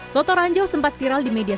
soto ranjau sempat viral di media